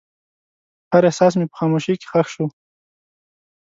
هر احساس مې په خاموشۍ کې ښخ شو.